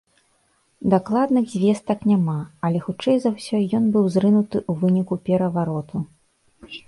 Дакладных звестак няма, але хутчэй за ўсё ён быў зрынуты ў выніку перавароту.